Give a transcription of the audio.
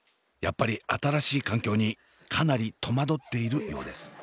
やっぱり新しい環境にかなり戸惑っているようです。